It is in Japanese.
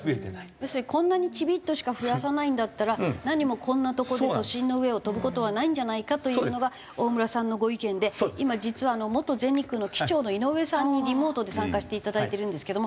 要するにこんなにちびっとしか増やさないんだったら何もこんなとこで都心の上を飛ぶ事はないんじゃないかというのが大村さんのご意見で今実は元全日空の機長の井上さんにリモートで参加していただいてるんですけども。